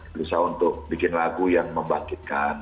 berusaha untuk bikin lagu yang membangkitkan